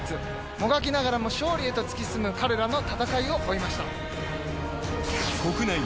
もがきながらも勝利へと突き進む彼らの戦いを追いました。